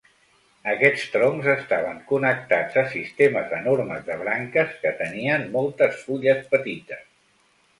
Aquests troncs estaven connectats a sistemes enormes de branques que tenien moltes fulles petites.